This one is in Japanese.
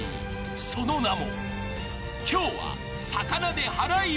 ［その名も］